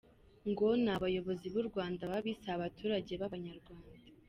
Ngo ni abayobozi b’u Rwanda babi si abaturage b’abanyarwanda.